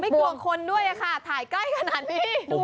กลัวคนด้วยค่ะถ่ายใกล้ขนาดนี้